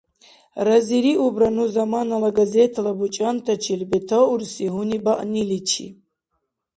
Разириубра ну «Замана» газетала бучӀантачил бетаурси гьунибаъниличи.